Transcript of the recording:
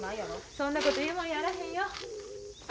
そんなこと言うもんやあらへんよ。